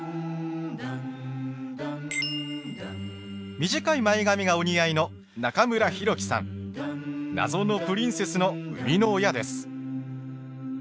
短い前髪がお似合いの謎のプリンセスの生みの親です。